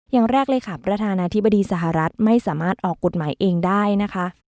อย่างแรกเลยค่ะประธานาธิบดีสหรัฐไม่สามารถออกกฎหมายเองได้นะคะ